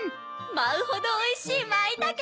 まうほどおいしいまいたけ！